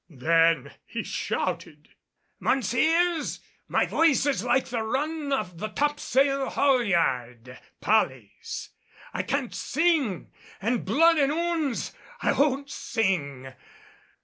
Then he shouted, "Mounseers, my voice is like the run of the topsail haulyard pollys. I can't sing an' blood an' ouns! I won't sing."